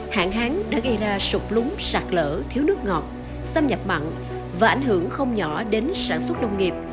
hạn hán đã gây ra sụp lúng sạt lỡ thiếu nước ngọt xâm nhập mặn và ảnh hưởng không nhỏ đến sản xuất nông nghiệp